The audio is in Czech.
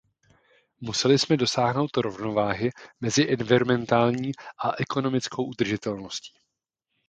Museli jsme dosáhnout rovnováhy mezi environmentální a ekonomickou udržitelností.